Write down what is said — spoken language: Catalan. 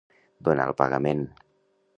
Donar el pagament.